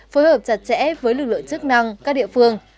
phối hợp chặt chẽ với lực lượng chức năng các địa phương